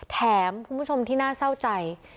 คุณผู้ชมที่น่าเศร้าใจ